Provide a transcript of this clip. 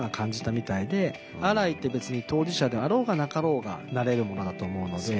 アライって別に当事者であろうがなかろうがなれるものだと思うので。